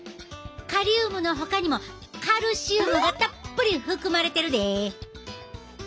カリウムのほかにもカルシウムがたっぷり含まれてるでえ。